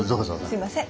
すいません。